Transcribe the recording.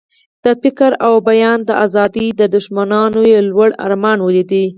د فکر او بیان د آزادۍ دښمنانو یې لوړ ارمان ولید.